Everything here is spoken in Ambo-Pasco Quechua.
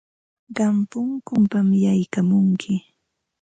Qam punkunpam yaykamunki.